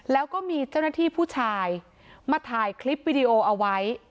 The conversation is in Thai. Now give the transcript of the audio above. แล้วก็มีเจ้าหน้าที่ผู้ชายมาถ่ายคลิปวิดีโอเอาไว้